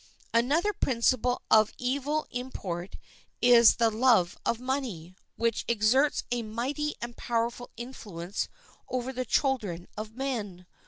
Another principle of evil import is the love of money, which exerts a mighty and powerful influence over the children of men.